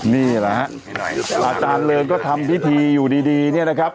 นี่แหละฮะอาจารย์เริงก็ทำพิธีอยู่ดีเนี่ยนะครับ